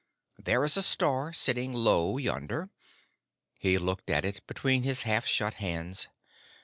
There is a star sitting low yonder." He looked at it between his half shut hands.